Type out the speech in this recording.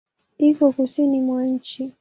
Iko Kusini mwa nchi.